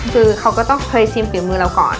คือเขาก็ต้องเคยชิมฝีมือเราก่อน